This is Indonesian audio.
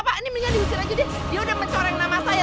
pak ini minyak diusir aja deh dia udah mencoreng nama saya